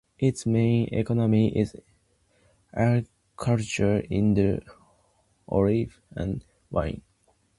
Its main economy is agriculture in the olive and wine industry.